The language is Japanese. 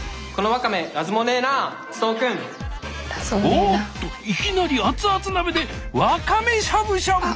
おっといきなり熱々鍋でワカメしゃぶしゃぶだ！